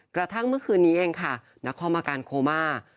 กระทั่งเมื่อคืนนี้เองค่ะนครอาการโคม่า